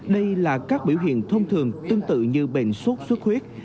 đây là các biểu hiện thông thường tương tự như bệnh sốt xuất huyết